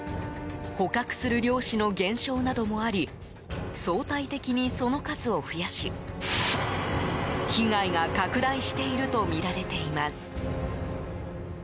捕獲する漁師の減少などもあり相対的にその数を増やし被害が拡大しているとみられています。